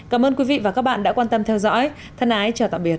cảm ơn quý vị và các bạn đã quan tâm theo dõi thân ái chào tạm biệt